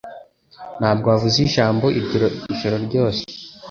Ntabwo wavuze ijambo ijoro ryose